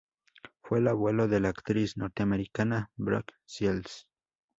Fue el abuelo de la actriz norteamericana Brooke Shields.